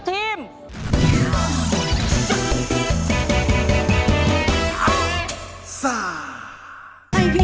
ทีมที่ชนะคือทีม